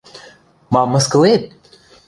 Мам мыскылет?!